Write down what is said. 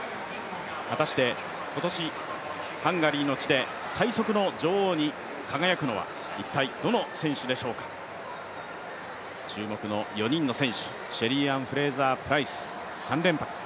果たして今年、ハンガリーの地で最速の女王に輝くのは一体どの選手でしょうか、注目の４人の選手、シェリーアン・フレイザープライス、３連覇か。